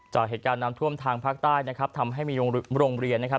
จากเหตุการณ์น้ำท่วมทางภาคใต้นะครับทำให้มีโรงเรียนนะครับ